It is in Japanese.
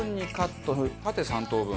縦３等分。